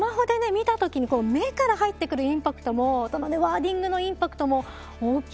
見た時に目から入ってくるインパクトもワーディングのインパクトも大きいですよね。